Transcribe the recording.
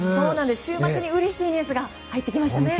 週末にうれしいニュース入ってきましたね。